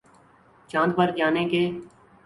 چاند پر جانے کے